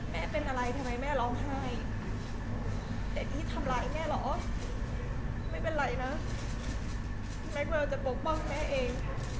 แม่เป็นอะไรทำไมแม่ร้องไห้แต่นี่ทำร้ายแม่เหรอไม่เป็นไรนะแม็กเวลจะปกป้องแม่เอง